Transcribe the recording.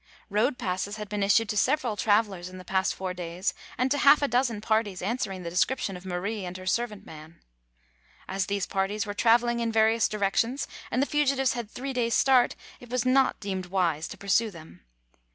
Road passes had been issued to several travelers in the past four da^^s, and to half a dozen parties answering the description of Marie and her serv ant man. As these parties were traveling in vari ous directions, and the fugitives had three days' start, it was not deemed wise to pursue them.